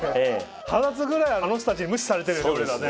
腹立つぐらいあの人たちに無視されてるよね